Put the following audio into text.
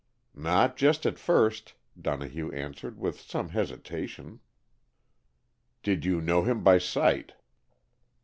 "Not just at first," Donohue answered with some hesitation. "Did you know him by sight?"